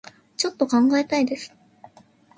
ちょっと考えたいです